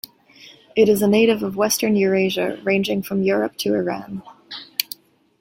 It is a native of western Eurasia, ranging from Europe to Iran.